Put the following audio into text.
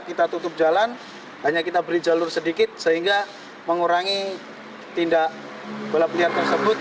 kita tutup jalan hanya kita beri jalur sedikit sehingga mengurangi tindak balap liar tersebut